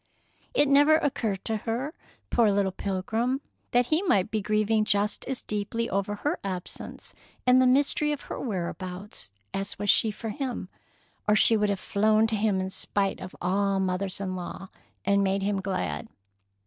It never occurred to her, poor little pilgrim, that he might be grieving just as deeply over her absence and the mystery of her whereabouts as was she for him, or she would have flown to him in spite of all mothers in law, and made him glad.